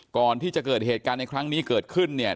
ก่อนที่จะเกิดเหตุการณ์ในครั้งนี้เกิดขึ้นเนี่ย